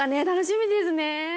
楽しみですね。